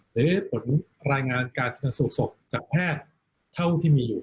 หรือผลรายงานการชนสูตรศพจากแพทย์เท่าที่มีอยู่